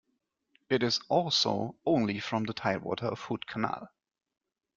It is also only from the tidewater of Hood Canal.